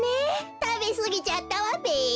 たべすぎちゃったわべ。